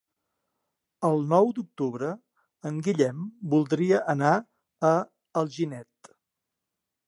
El nou d'octubre en Guillem voldria anar a Alginet.